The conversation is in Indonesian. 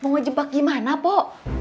mau ngejebak gimana poh